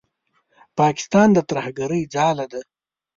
پاکستان د ترهګرۍ ځاله ده.